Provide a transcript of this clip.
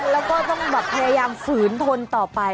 แล้วก็ต้องแบบพยายามฝืนทนต่อไป